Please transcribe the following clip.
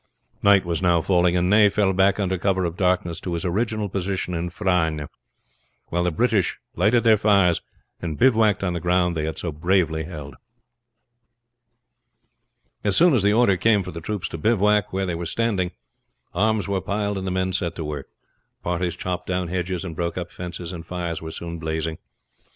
Night was now falling, and Ney fell back under cover of darkness to his original position in Frasnes; while the British lighted their fires, and bivouacked on the ground they had so bravely held. As soon as the order came for the troops to bivouac where they were standing, arms were piled and the men set to work. Parties chopped down hedges and broke up fences, and fires were soon blazing.